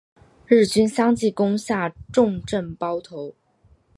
日军相继攻下重镇包头。